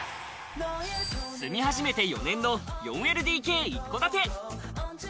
住み始めて４年の４ＬＤＫ一戸建て。